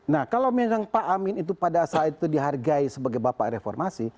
nah kalau memang pak amin itu pada saat itu dihargai sebagai bapak reformasi